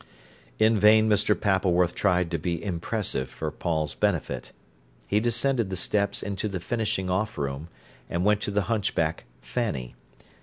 In vain Mr. Pappleworth tried to be impressive for Paul's benefit. He descended the steps into the finishing off room, and went to the hunchback Fanny.